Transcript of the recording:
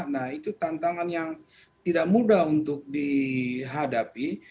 nah itu tantangan yang tidak mudah untuk dihadapi